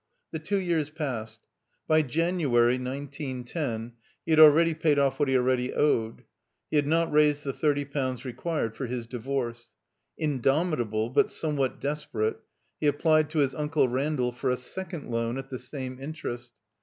The two years passed/ By January, nineteen ten, he had only paid off what he already owed. He had not raised the thirty pounds required for his divorce. Indomitable, but somewhat desperate, he applied to his Uncle Randall for a second loan at the same interest.